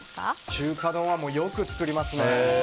中華丼はよく作りますね。